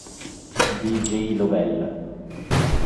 D. J. Lovell.